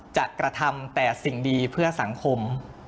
กระทำแต่สิ่งดีเพื่อสังคม